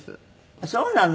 あっそうなの？